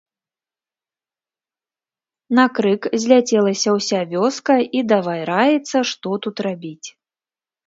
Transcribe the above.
На крык зляцелася ўся вёска і давай раіцца, што тут рабіць.